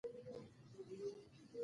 ماښام به کور ته راتلو.